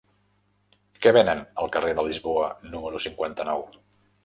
Què venen al carrer de Lisboa número cinquanta-nou?